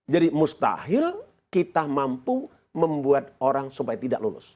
jadi mustahil kita mampu membuat orang supaya tidak lulus